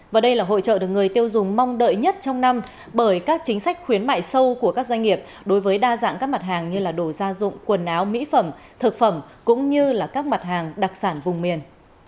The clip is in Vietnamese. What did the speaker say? và đây là hội trợ được người tiêu dùng mong đợi nhất trong năm bởi các chính sách khuyến mại sâu của các doanh nghiệp đối với đa dạng các mặt hàng như đồ gia dụng quần áo mỹ phẩm thực phẩm cũng như là các mặt hàng đặc sản vùng miền